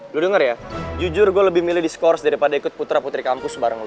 gue denger ya jujur gue lebih milih diskurs daripada ikut putra putri kampus bareng gue